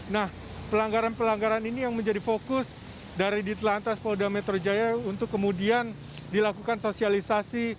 nah pelanggaran pelanggaran ini yang menjadi fokus dari ditelantas polda metro jaya untuk kemudian dilakukan sosialisasi